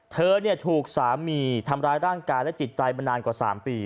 เธอถูกสามีทำร้ายร่างกายและจิตใจมานานกว่า๓ปี